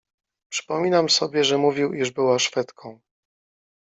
"Przypominam sobie, że mówił, iż była szwedką."